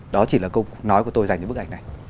đó chỉ là câu nói của tôi dành những bức ảnh này